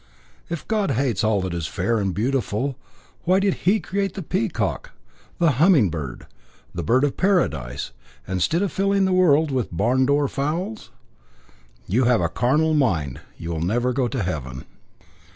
"If God hates all that is fair and beautiful, why did He create the peacock, the humming bird, and the bird of paradise, instead of filling the world with barn door fowls?" "You have a carnal mind. You will never go to heaven."